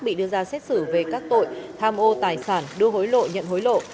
bị đưa ra xét xử về các tội tham ô tài sản đưa hối lộ nhận hối lộ